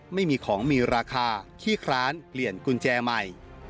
ไม่มีของมีราคาที่ร้านเปลี่ยนกุญแจใหม่